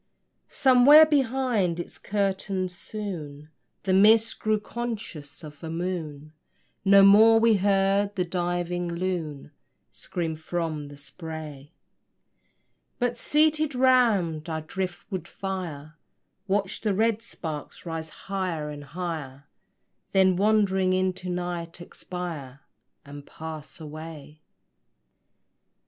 Somewhere behind its curtain, soon The mist grew conscious of a moon: No more we heard the diving loon Scream from the spray; But seated round our drift wood fire Watched the red sparks rise high and higher, Then, wandering into night, expire And pass away.